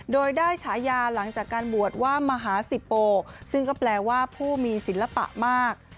โดยได้ฉายาหลังจากการบวชว่ามหาสิโปซึ่งก็แปลว่าผู้มีศิลปะมาก